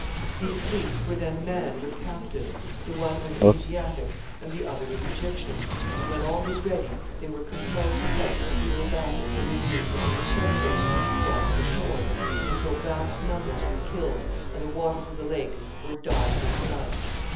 These fleets were then manned with captives, the one with Asiatics and the other with Egyptians, and when all was ready, they were compelled to fight a real battle for the amusement of the spectators which thronged the shores, until vast numbers were killed, and the waters of the lake were dyed with blood.